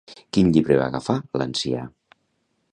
Quin llibre va agafar l'ancià?